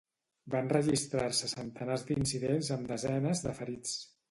Van registrar-se centenars d’incidents amb desenes de ferits.